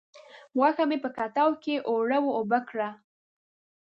غوښه مې په کټو کې اوړه و اوبه کړه.